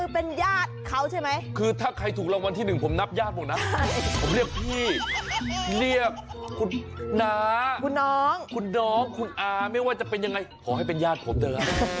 แปลว่าอันนี้คุณสอนรามคงเป็นญาติ